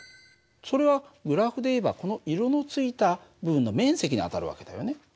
それはグラフでいえばこの色のついた部分の面積に当たる訳だよね。